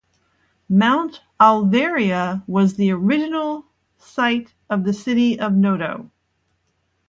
Mount Alveria was the original site of the city of Noto.